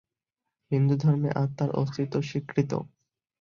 হিন্দুধর্মে ‘আত্মা’র অস্তিত্ব স্বীকৃত।